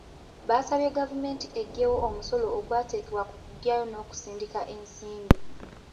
Baasabye gavumenti eggyewo omusolo ogwateekebwa ku kugyayo n'okusindika ensimbi.